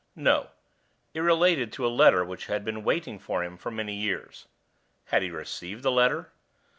No; it related to a Letter which had been waiting for him for many years. Had he received the letter?